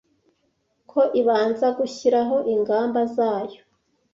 ko ibanza gushyiraho ingamba zayo